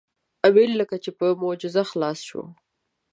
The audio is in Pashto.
امیر لکه په معجزه خلاص شو.